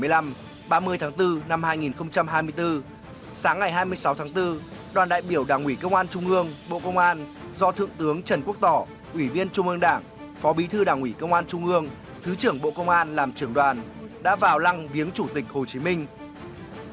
năm một nghìn chín trăm bảy mươi năm ba mươi tháng bốn năm hai nghìn hai mươi bốn sáng ngày hai mươi sáu tháng bốn đoàn đại biểu đảng ủy công an trung ương bộ công an do thượng tướng trần quốc tỏ ủy viên trung ương đảng phó bí thư đảng ủy công an trung ương thứ trưởng bộ công an làm trưởng đoàn đã vào lăng viếng chủ tịch hồ chí minh